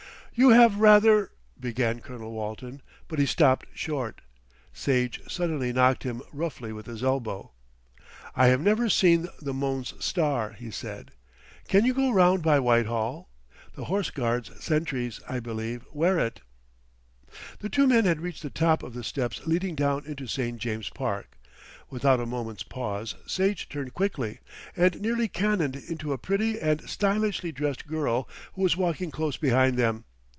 "You have rather " began Colonel Walton, but he stopped short. Sage suddenly knocked him roughly with his elbow. "I have never seen the Mons Star," he said. "Can we go round by Whitehall? The Horse Guards sentries, I believe, wear it." The two men had reached the top of the steps leading down into St. James's Park. Without a moment's pause Sage turned quickly, and nearly cannoned into a pretty and stylishly dressed girl, who was walking close behind them.